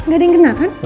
gak ada yang kena kan